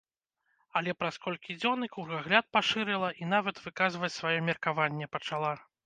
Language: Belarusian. Але праз колькі дзён і кругагляд пашырыла, і нават выказваць сваё меркаванне пачала.